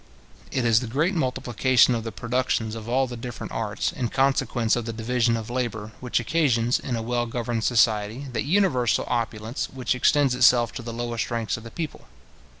It is the great multiplication of the productions of all the different arts, in consequence of the division of labour, which occasions, in a well governed society, that universal opulence which extends itself to the lowest ranks of the people.